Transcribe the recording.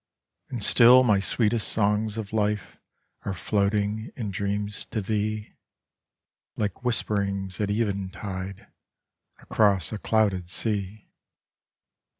And still rszr sweetest songs of life are floating in drear .s to thee, like whisperings at eventide, across a cloud*d sea.